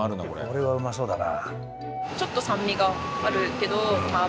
これはうまそうだな。